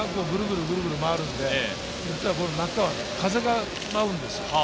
室内のバンクをぐるぐる回るので、中は風が舞うんですよ。